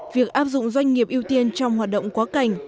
việc áp dụng doanh nghiệp ưu tiên trong hoạt động quá cảnh